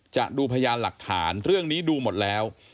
จะดูพยานหลักฐานเรื่องนี้ดูหมดแล้ว